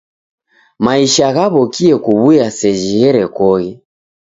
Maisha ghaw'okie kuw'uya seji gherekoghe.